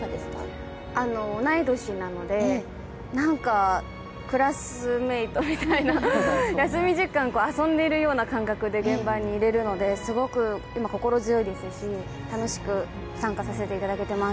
同い年なのでクラスメイトみたいな休み時間、遊んでるような感覚で現場にいれるのですごく今、心強いですし楽しく参加させていただいています。